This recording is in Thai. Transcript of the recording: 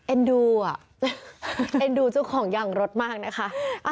ดูอ่ะเอ็นดูเจ้าของยางรถมากนะคะ